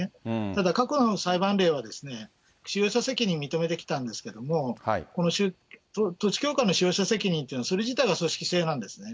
ただ過去の裁判例では、使用者責任認めてきたんですけれども、この統一教会の使用者責任というのは、それ自体が組織性なんですね。